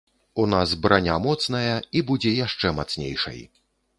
У нас браня моцная, і будзе яшчэ мацнейшай.